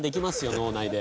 脳内で。